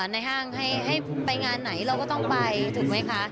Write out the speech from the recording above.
ห้างให้ไปงานไหนเราก็ต้องไปถูกไหมคะ